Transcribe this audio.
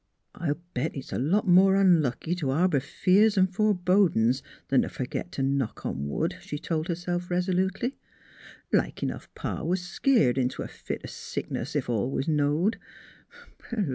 " I'll bet it's a lot more unlucky t' harbor fears 'n' forebodin's 'n' t' fergit t' knock on wood," she 12 NEIGHBORS 13 told herself resolutely. " Like enough Pa was skeered int' a fit o' sickness, ef all was knowed.